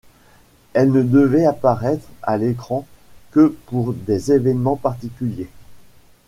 Elle ne devait apparaître à l'écran que pour des événements particuliers.